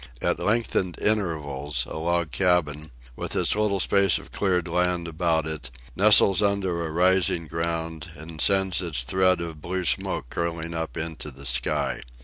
At lengthened intervals a log cabin, with its little space of cleared land about it, nestles under a rising ground, and sends its thread of blue smoke curling up into the sky.